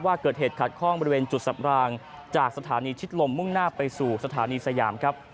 ว่าเกิดเหตุขัดข้องบริเวณจุดสับรางจากสถานีชิดลมมุ่งหน้าไปสู่สถานีสยามครับ